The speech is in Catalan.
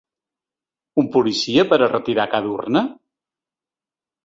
Un policia per a retirar cada urna?